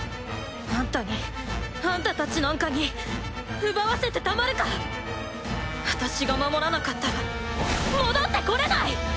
アンタにアンタ達なんかに奪わせてたまるか私が守らなかったら戻ってこれない！